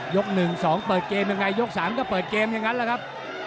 ๑๒เปิดเกมยังไงยก๓ก็เปิดเกมอย่างนั้นแหละครับ